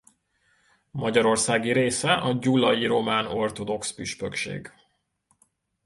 Magyarországi része a Gyulai Román Ortodox Püspökség.